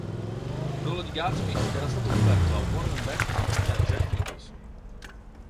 Il ruolo di Gatsby era stato offerto a Warren Beatty e a Jack Nicholson.